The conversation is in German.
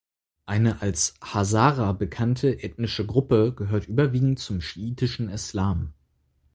Eine als Hazara bekannte ethnische Gruppe gehört überwiegend zum schiitischen Islam.